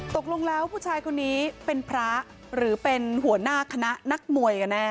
ตกลงแล้วผู้ชายคนนี้เป็นพระหรือเป็นหัวหน้าคณะนักมวยกันแน่